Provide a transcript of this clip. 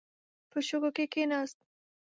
په شګو کې کښیناست.